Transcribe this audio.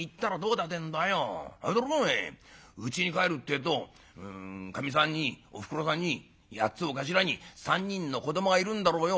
あれだろお前うちに帰るってえとかみさんにおふくろさんに８つを頭に３人の子どもがいるんだろうよ。